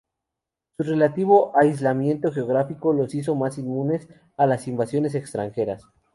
Su relativo aislamiento geográfico los hizo más inmunes a las invasiones extranjeras.